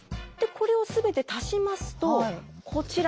これを全て足しますとこちら。